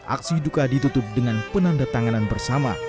aksi duka ditutup dengan penanda tanganan bersama